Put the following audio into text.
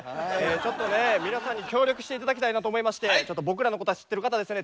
ちょっとね皆さんに協力して頂きたいなと思いましてちょっと僕らのこと知ってる方はですね